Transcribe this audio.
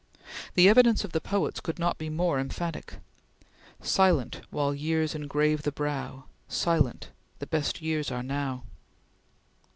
The evidence of the poets could not be more emphatic: "Silent, while years engrave the brow! Silent, the best are silent now!"